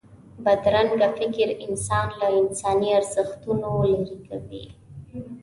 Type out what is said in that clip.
بدرنګه فکر انسان له انساني ارزښتونو لرې کوي